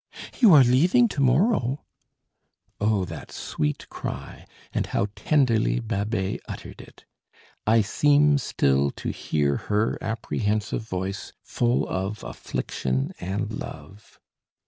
"You are leaving to morrow!" Oh! that sweet cry, and how tenderly Babet uttered it! I seem still to hear her apprehensive voice full of affliction and love.